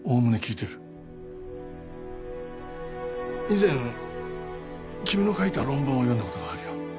以前君の書いた論文を読んだことがあるよ